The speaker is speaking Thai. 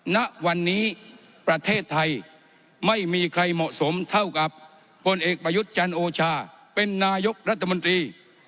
ณวันนี้ประเทศไทยไม่มีใครเหมาะสมเท่ากับพลเอกประยุทธ์จันโอชาเป็นนายกรัฐมนตรี